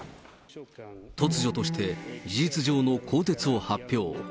突如として事実上の更迭を発表。